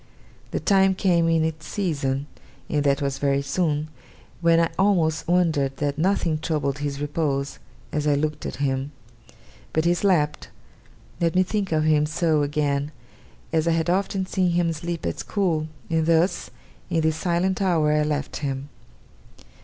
The time came in its season, and that was very soon, when I almost wondered that nothing troubled his repose, as I looked at him. But he slept let me think of him so again as I had often seen him sleep at school; and thus, in this silent hour, I left him.